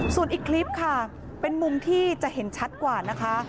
ส่วนอีกคลิปค่ะเป็นมุมที่จะเห็นชัดกว่านะคะ